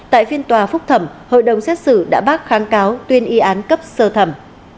tại phiên tòa phúc thẩm hội đồng xét xử đã bác kháng cáo tuyên y án cấp sơ thẩm